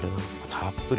たっぷり。